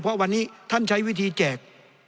เพราะวันนี้ท่านใช้วิธีแจก